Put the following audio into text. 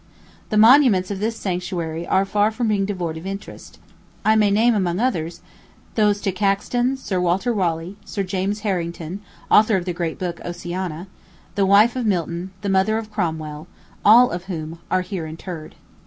The monuments of this sanctuary are far from being devoid of interest. I may name, among others, those to Caxton, Sir Walter Raleigh, Sir James Harrington, author of the great book, "Oceana," the wife of Milton, the mother of Cromwell, all of whom are here interred.